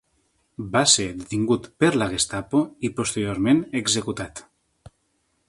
Va ser detingut per la Gestapo i posteriorment executat.